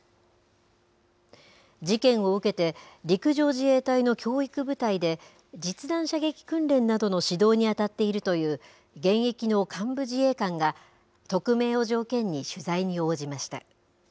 事件を受けて、陸上自衛隊の教育部隊で実弾射撃訓練などの指導に当たっているという、現役の幹部自衛官が、匿名を条件に取材に応じました。